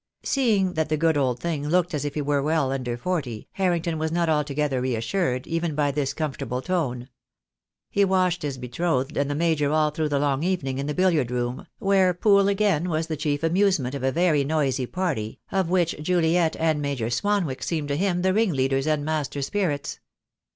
Seeing that the good old thing looked as if he were well under forty, Harrington was not altogether reassured, even by this comfortable tone. He watched his betrothed and the Major all through the long evening in the billiard room, where pool was again the chief amusement of a very noisy party, of which Juliet and Major Swanwick seemed to him the ringleaders and master spirits.